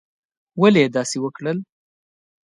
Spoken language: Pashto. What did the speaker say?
ولي یې داسي وکړل؟